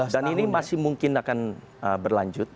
dan ini masih mungkin akan berlanjut